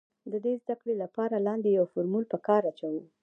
د دې د زده کړې له پاره لاندې يو فورمول په کار اچوو